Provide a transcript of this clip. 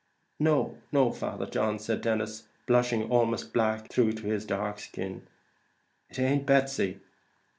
"No, Father John," said Denis, blushing almost black through his dark skin; "it ain't Betsy."